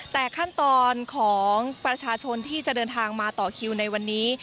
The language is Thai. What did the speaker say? แต่ขั้นตอนของประชาชนที่จะเดินทางมาต่อคิวในวันนี้